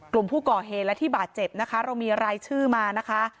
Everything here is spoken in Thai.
กลุ่มผู้ก่อเหตุและที่บาดเจ็บนะคะเรามีรายชื่อมานะคะ